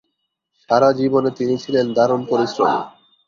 সারা জীবনে তিনি ছিলেন দারুণ পরিশ্রমী।